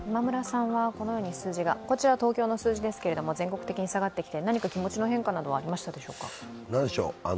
こちらは東京の数字ですけれども、全国的に下がってきて何か気持ちの変化などはありましたでしょうか？